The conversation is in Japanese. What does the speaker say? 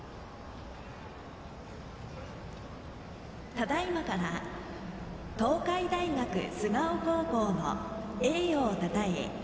ただいまから東海大学菅生高校の栄誉をたたえ